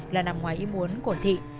là nằm ngoài ý muốn của thị